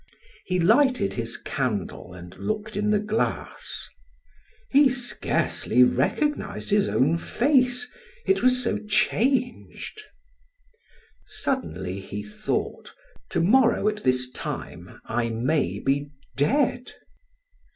He lighted his candle and looked in the glass; he scarcely recognized his own face, it was so changed. Suddenly he thought: "To morrow at this time I may be dead."